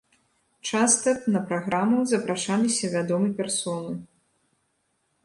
Часта на праграму запрашаліся вядомы персоны.